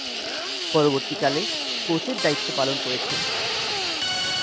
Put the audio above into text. পরবর্তীকালে কোচের দায়িত্ব পালন করেছেন।